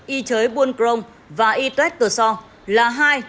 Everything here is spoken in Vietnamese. y chới buôn crong và y tuét cửa so là hai